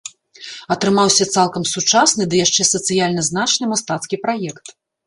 Атрымаўся цалкам сучасны ды яшчэ сацыяльна значны мастацкі праект.